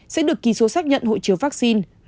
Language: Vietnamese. sẽ được kỳ số xác nhận hộ chiếu vaccine